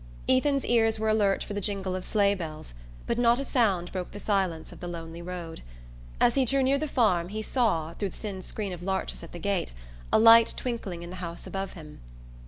Ethan's ears were alert for the jingle of sleigh bells, but not a sound broke the silence of the lonely road. As he drew near the farm he saw, through the thin screen of larches at the gate, a light twinkling in the house above him.